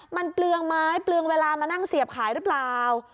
มันเปลืองไม้เปลืองเวลามานั่งเสียบขายหรือเปล่า